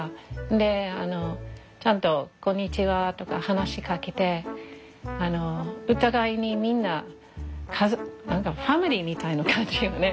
でちゃんとこんにちはとか話しかけてお互いにみんな家族何かファミリーみたいな感じよね。